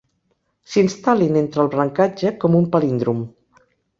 S'instal·lin entre el brancatge com un palíndrom.